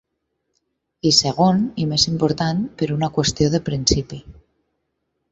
I segon, i més important, per una qüestió de principi.